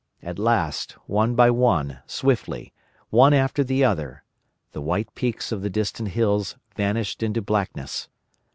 At last, one by one, swiftly, one after the other, the white peaks of the distant hills vanished into blackness.